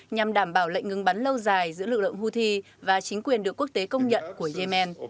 nhằm đảm bảo lệnh ngừng bắn lâu dài giữa lực lượng houthi và chính quyền được quốc tế công nhận của yemen